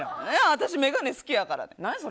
私、眼鏡好きやから。